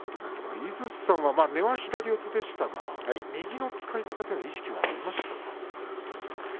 井筒さんは根は左四つでしたが右の使い方というの意識はありましたか。